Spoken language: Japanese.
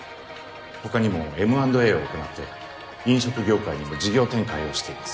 他にもＭ＆Ａを行って飲食業界にも事業展開をしています。